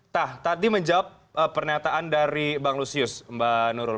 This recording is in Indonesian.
tah tadi menjawab pernyataan dari mbak nurul